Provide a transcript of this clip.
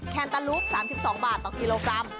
แนตาลูป๓๒บาทต่อกิโลกรัม